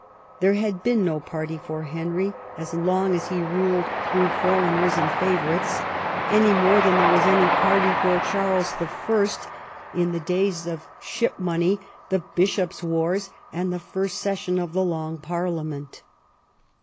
There had been no party for Henry as long as he ruled through foreigners and favourites, any more than there was any party for Charles L in the days D 34 EDWARD I CHAP. of Ship Money, the Bishops' Wars, and the first session of the Long Parliament.